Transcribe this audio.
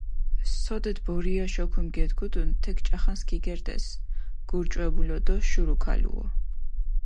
სოდეთ ბორიაშ ოქუმი გედგუდუნ, თექ ჭახანს ქიგერდეს, გურჭვებულო დო შურუქალუო.